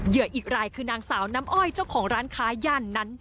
อีกรายคือนางสาวน้ำอ้อยเจ้าของร้านค้าย่านนั้น